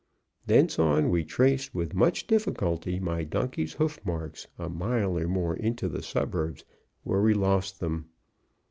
Thence on, we traced with much difficulty my donkey's hoof marks a mile or more into the suburbs, where we lost them.